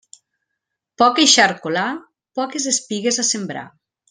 Poc eixarcolar, poques espigues a sembrar.